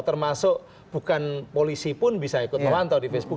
termasuk bukan polisi pun bisa ikut memantau di facebook